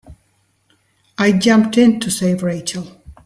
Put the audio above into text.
I jumped in to save Rachel.